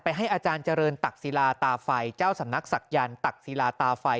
ให้อาจารย์เจริญตักศิลาตาไฟเจ้าสำนักศักยันต์ตักศิลาตาไฟ